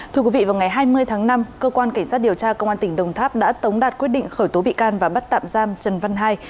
thưa quý vị vào ngày hai mươi tháng năm cơ quan cảnh sát điều tra công an tỉnh đồng tháp đã tống đạt quyết định khởi tố bị can và bắt tạm giam trần văn hai